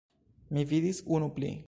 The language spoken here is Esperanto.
Mi vidis unu pli.